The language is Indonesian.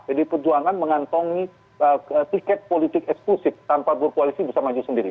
jadi perjuangan mengantongi tiket politik eksklusif tanpa berkoalisi bisa maju sendiri